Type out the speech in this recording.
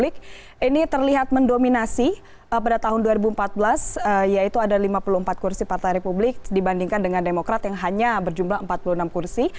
ini terlihat mendominasi pada tahun dua ribu empat belas yaitu ada lima puluh empat kursi partai republik dibandingkan dengan demokrat yang hanya berjumlah empat puluh enam kursi